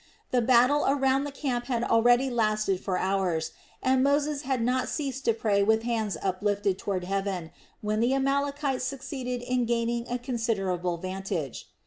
The battle around the camp had already lasted for hours and Moses had not ceased to pray with hands uplifted toward heaven, when the Amalekites succeeded in gaining a considerable vantage.